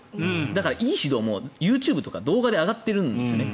だからいい指導もＹｏｕＴｕｂｅとか動画で上がってるんですよね。